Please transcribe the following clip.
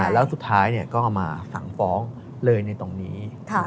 แล้วสุดท้ายก็เอามาสั่งฟ้องเลยในตรงนี้